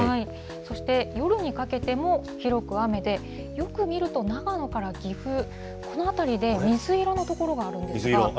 そして夜にかけても広く雨で、よく見ると長野から岐阜、この辺りで水色の所があるんですが。